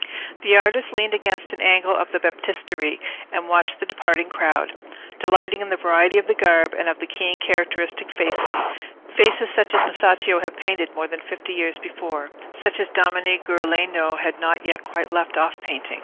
The artist leaned against an angle of the Baptistery and watched the departing crowd, delighting in the variety of the garb and of the keen characteristic faces—faces such as Masaccio had painted more than fifty years before: such as Domenico Ghirlandajo had not yet quite left off painting.